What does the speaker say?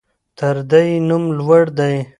تر ده يې نوم لوړ دى.